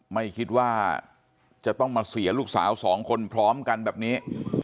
ไม่คิดว่าจะต้องมาเสียลูกสาวสองคนพร้อมกันแบบนี้